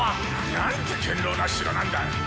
「なんて堅牢な城なんだ！」。